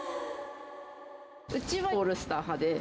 うちはオールスター派で。